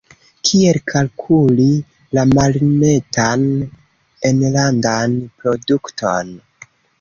Kiel kalkuli la malnetan enlandan produkton?